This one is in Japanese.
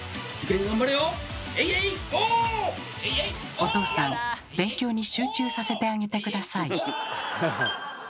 お父さん勉強に集中させてあげて下さい。